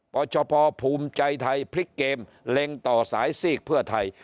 ชพภูมิใจไทยพลิกเกมเล็งต่อสายซีกเพื่อไทย